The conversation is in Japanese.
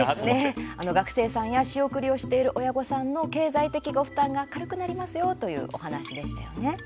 学生さんや仕送りをしている親御さんの経済的ご負担が軽くなりますよというお話でしたよね。